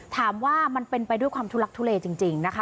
ถามว่ามันเป็นไปด้วยความทุลักทุเลจริงนะคะ